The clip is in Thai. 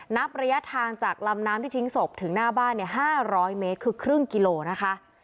นับระยะทางจากลำน้ำที่ทิ้งศพถึงหน้าบ้านเนี้ยห้าร้อยเมตรคือครึ่งกิโลนะคะ